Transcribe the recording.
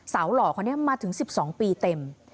สาวหล่อเขามาถึง๑๒ปีเต็ม